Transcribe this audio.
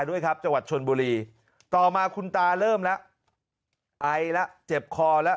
ด้วยครับจังหวัดชนบุรีต่อมาคุณตาเริ่มแล้วไอแล้วเจ็บคอแล้ว